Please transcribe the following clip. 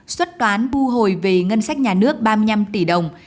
xuất toán bu hồi về ngân sách nhà nước ba mươi năm tỷ đồng